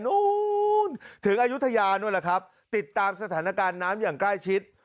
นู้นถึงอายุทยานู้นแหละครับติดตามสถานการณ์น้ำอย่างใกล้ชิด